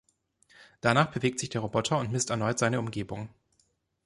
Danach bewegt sich der Roboter und misst erneut seine Umgebung.